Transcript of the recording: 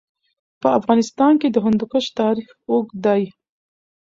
په افغانستان کې د هندوکش تاریخ اوږد دی.